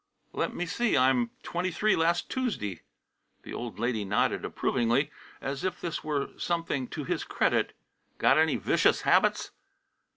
"Let me see. I'm twenty three last Tuesday." The old lady nodded approvingly, as if this were something to his credit. "Got any vicious habits?"